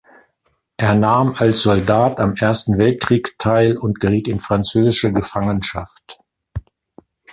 Er nahm als Soldat am Ersten Weltkrieg teil und geriet in französische Gefangenschaft.